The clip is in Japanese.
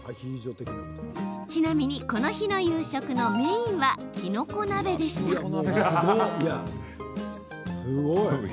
ちなみにこの日の夕食のメインはきのこ鍋でした。